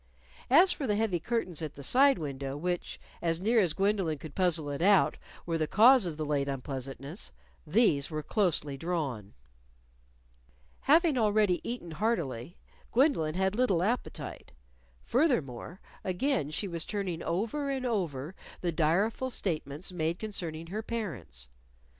As for the heavy curtains at the side window, which as near as Gwendolyn could puzzle it out were the cause of the late unpleasantness, these were closely drawn. Having already eaten heartily, Gwendolyn had little appetite. Furthermore, again she was turning over and over the direful statements made concerning her parents.